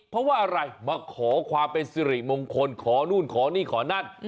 เพราะว่าอะไรมาขอความเป็นสิริมงคลขอนู่นขอนี่ขอนั่น